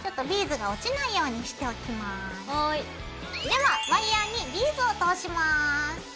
ではワイヤーにビーズを通します。